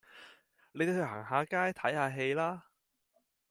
你哋去行下街，睇下戲啦